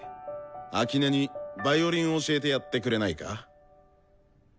秋音にヴァイオリン教えてやってくれないか？